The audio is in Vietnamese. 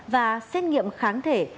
và xét nghiệm kháng thể